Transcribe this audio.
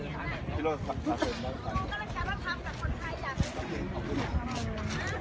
มีผู้ที่ได้รับบาดเจ็บและถูกนำตัวส่งโรงพยาบาลเป็นผู้หญิงวัยกลางคน